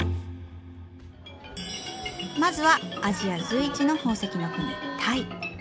まずはアジア随一の宝石の国タイ。